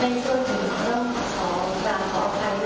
สวัสดีครับสวัสดีครับ